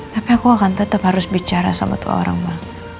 tapi aku akan tetap harus bicara sama tua orang bang